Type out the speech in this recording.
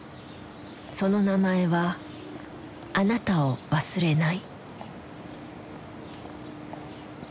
その名前は「あなたを忘れない」。